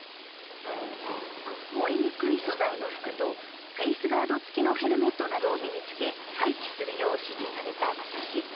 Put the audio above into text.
燃えにくい素材の服とフェイスガード付きのヘルメットなどを身に着け待機するよう指示された、私。